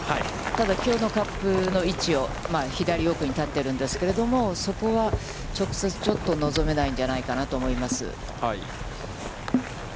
ただ、きょうのカップの位置は、左奥に立ってるんですけれども、そこが直接ショットを望めないんじゃないかと思います。